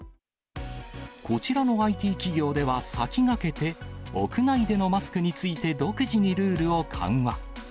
こちらのＩＴ企業では、先駆けて、屋内でのマスクについて、独自にルールを緩和。